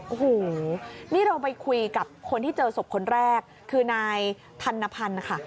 โอ้โหนี่เราไปคุยกับคนที่เจอศพคนแรกคือนายธนพันธ์นะคะ